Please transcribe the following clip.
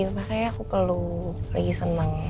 makanya aku perlu lagi seneng